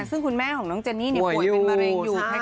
ซึ่งคุณแม่ของน้องเจนนี่ป่วยเป็นมะเร็งอยู่